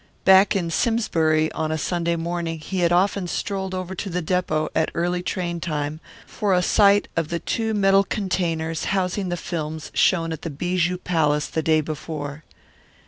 Back in Simsbury on a Sunday morning he had often strolled over to the depot at early train time for a sight of the two metal containers housing the films shown at the Bijou Palace the day before.